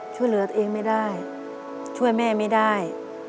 ช่วยเหลือตัวเองไม่ได้ช่วยแม่ไม่ได้